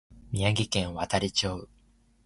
宮城県亘理町